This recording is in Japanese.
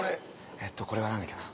えっとこれは何だっけな？